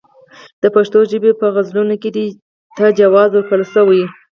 د پښتو ژبې په غزلونو کې دې ته جواز ورکړل شوی.